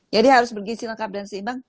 jadi harus bergisi lengkap dan seimbang